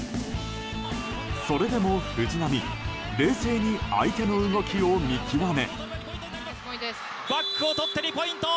それでも藤波冷静に相手の動きを見極め。